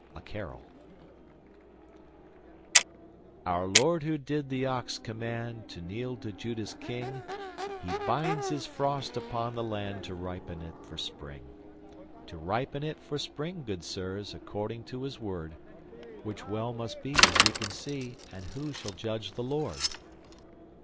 A Carol Our Lord Who did the Ox command To kneel to Judah's King, He binds His frost upon the land To ripen it for Spring To ripen it for Spring, good sirs, According to His word; Which well must be as ye can see And who shall judge the Lord?